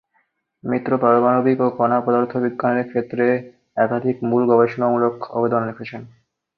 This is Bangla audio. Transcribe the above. মিত্র পারমাণবিক ও কণা পদার্থবিজ্ঞানের ক্ষেত্রে একাধিক মূল গবেষণামূলক অবদান রেখেছেন।